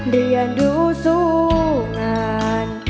เรียนรู้สู้งาน